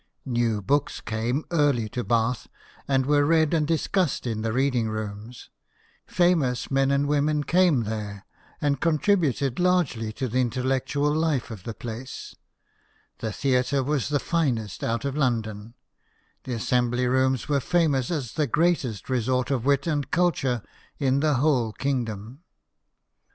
New books came early to Bath, and were read and discussed in the reading rooms ; famous men and women came there, and contributed largely to the intellectual life of the place ; the theatre was the finest out of London ; the Assembly Rooms were famous as the greatest resort of wit and culture in the whole kingdom.